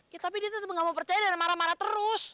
ya tapi dia tetap gak mau percaya dan marah marah terus